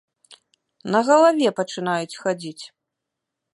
На галаве пачынаюць хадзіць.